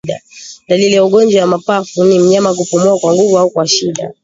Dalili ya ugonjwa wa mapafu ni mnyama kupumua kwa nguvu au kwa shida